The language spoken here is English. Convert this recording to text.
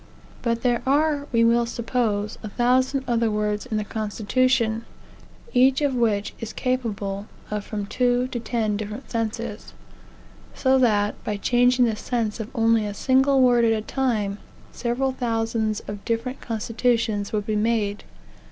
But there are, we will suppose, a thousand other words in the constitution, each of which is capable of from two to ten different senses. So that, by changing the sense of only a single word at a time, several thousands of different constitutions would be made.